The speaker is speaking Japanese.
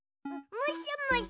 もしもし！